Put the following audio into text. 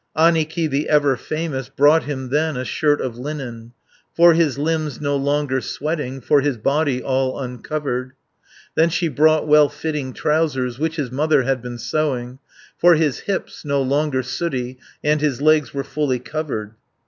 Annikki, the ever famous, Brought him then a shirt of linen, 340 For his limbs no longer sweating, For his body all uncovered. Then she brought well fitting trousers, Which his mother had been sewing, For his hips, no longer sooty, And his legs were fully covered.